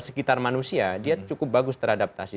di sekitar manusia dia cukup bagus teradaptasi